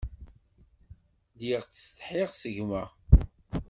Lliɣ ttsetḥiɣ s gma.